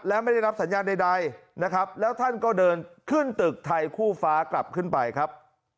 และไม่ได้รับสัญญาณใดนะครับแล้วท่านก็เดินขึ้นตึกไทยคู่ฟ้ากลับขึ้นไปครับ